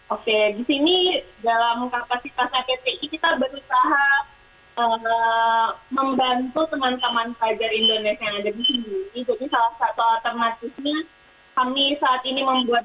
oke di sini dalam kapasitas ppi kita berusaha membantu teman teman pelajar indonesia yang ada di sini